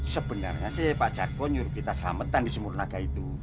sebenarnya sih pak jarko nyuruh kita selamatan di sumurnaga itu